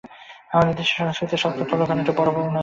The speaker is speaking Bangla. আমাদের দেশের সংস্কৃতিতে সব তথ্য লুকানোর একটা বড় প্রবণতা রয়েছে।